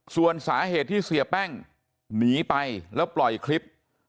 ส่วนสาเหตุที่เสียแป้งหนีไปแล้วปล่อยคลิป